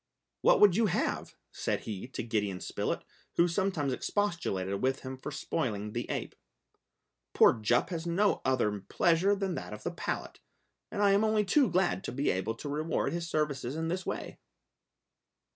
"What would you have?" said he to Gideon Spilett, who sometimes expostulated with him for spoiling the ape. "Poor Jup has no other pleasure than that of the palate, and I am only too glad to be able to reward his services in this way!"